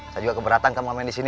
saya juga keberatan kamu main di sini